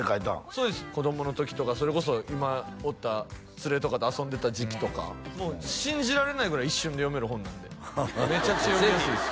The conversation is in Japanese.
そうです子供の時とかそれこそ今おった連れとかと遊んでた時期とかもう信じられないぐらい一瞬で読める本なんでめちゃくちゃ読みやすいです